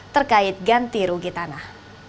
terkait ganti rugi tanah